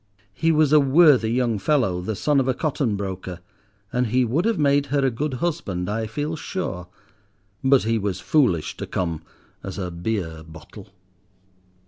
He was a worthy young fellow, the son of a cotton broker, and he would have made her a good husband, I feel sure. But he was foolish to come as a beer bottle.